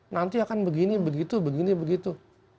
nanti akan begini begitu begini begitu